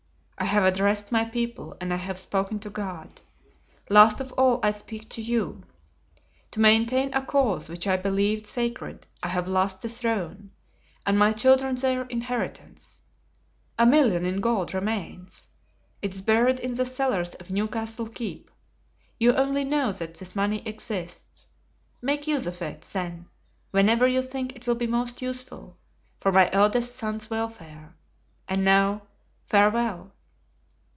I have addressed my people and I have spoken to God; last of all I speak to you. To maintain a cause which I believed sacred I have lost the throne and my children their inheritance. A million in gold remains; it is buried in the cellars of Newcastle Keep. You only know that this money exists. Make use of it, then, whenever you think it will be most useful, for my eldest son's welfare. And now, farewell."